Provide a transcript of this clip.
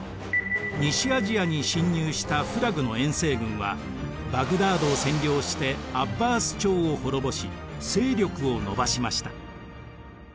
西アジアに侵入したフラグの遠征軍はバグダードを占領してアッバース朝を滅ぼし勢力を伸ばしました。